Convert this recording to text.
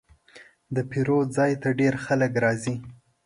د پیرود ځای ته ډېر خلک راځي.